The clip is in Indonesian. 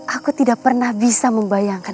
aku tidak pernah bisa membayangkan